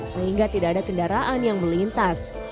sehingga tidak ada kendaraan yang melintas